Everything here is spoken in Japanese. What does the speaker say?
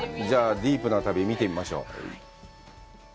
じゃあディープな旅を見てみましょう。